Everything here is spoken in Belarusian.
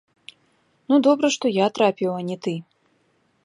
Ну, добра, што я трапіў, а не ты!